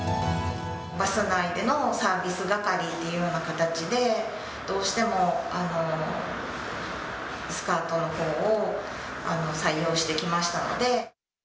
バス内でのサービス係っていうような形で、どうしてもスカートのほうを採用してきましたので。